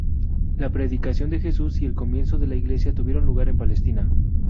La predicación de Jesús y el comienzo de la Iglesia tuvieron lugar en Palestina.